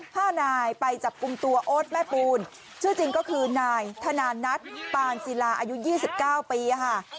ห้านายไปจับกลุ่มตัวโอ๊ตแม่ปูนชื่อจริงก็คือนายธนานัทปานศิลาอายุยี่สิบเก้าปีอ่ะค่ะ